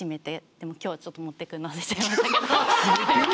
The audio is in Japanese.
でも今日はちょっと持ってくるの忘れちゃいましたけど。